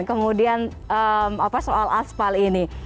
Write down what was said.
kemudian soal aspal ini